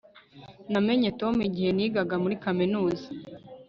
namenye tom igihe nigaga muri kaminuza